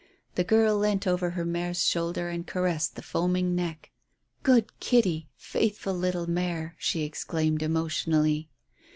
The girl leant over her mare's shoulder and caressed the foaming neck. "Good Kitty, faithful little mare," she exclaimed emotionally.